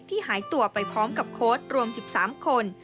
หายตัวไปพร้อมกับโค้ดรวม๑๓คน